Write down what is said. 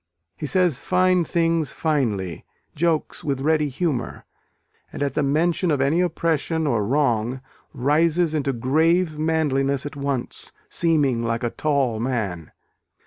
He says fine things finely, jokes with ready humour, and at the mention of any oppression or wrong rises "into grave manliness at once, seeming like a tall man."